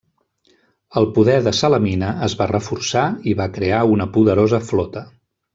El poder de Salamina es va reforçar i va crear una poderosa flota.